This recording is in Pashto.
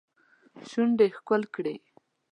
شونډې ښکل کړي